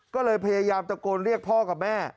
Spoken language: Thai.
ก็เลยพยายามตะโกนเรียกพ่อกับแม่